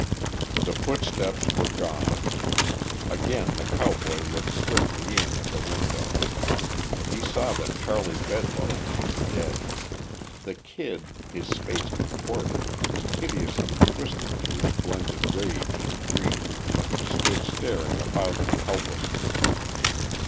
The footsteps were gone. Again the cowboy looked swiftly in at the window. He saw that Charley Bedloe was dead; the Kid, his face contorted, hideously twisted to his blended rage and grief, stood staring about him helplessly.